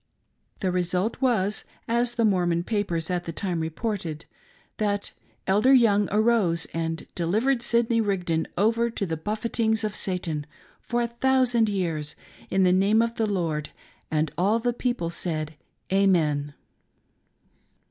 The result was — as the Mormon papers at the time reported — that :" Elder Young arose and delivered Sidney Rigdon over to the buffetings of Satan, for a thousand years, in the name of the Lord ; and all the people said, Amen."